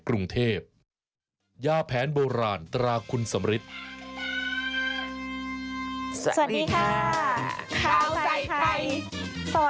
โหวันนี้เป็นสาวนะคะคุณผู้โชว์